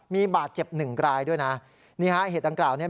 มีบาดเจ็บหนึ่งรายด้วยนะนี่ฮะเหตุดังกล่าวเนี่ย